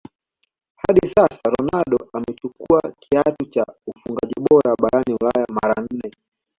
Hadi sasa Ronaldo amechukua kiatu cha ufungaji bora barani ulaya mara nne